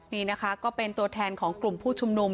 นี่นะคะก็เป็นตัวแทนของกลุ่มผู้ชุมนุม